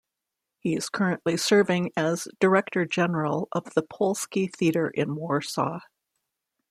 He is currently serving as director general of the Polski Theatre in Warsaw.